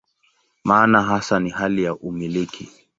Maana hasa ni hali ya "umiliki".